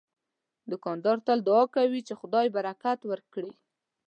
دوکاندار تل دعا کوي چې خدای برکت ورکړي.